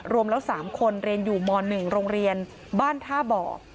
รวมแล้ว๓คนเรียนอยู่ม๑โรงเรียนบ้านท่าบ่อ